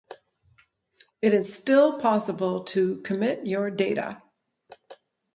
It is still possible to commit your data